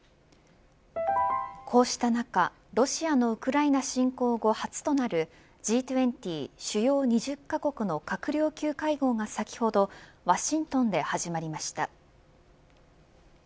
こうした中ロシアのウクライナ侵攻後初となるＧ２０主要２０カ国の閣僚級会合が先ほどワシントンで始まりました。